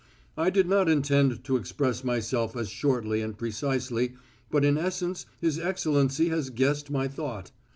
"I did not intend to express myself as shortly and precisely, but in essence his Excellency has guessed my thought.